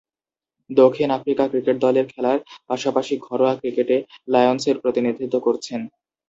দক্ষিণ Africa cricket দলে খেলার পাশাপাশি ঘরোয়া ক্রিকেটে লায়ন্সের প্রতিনিধিত্ব করছেন।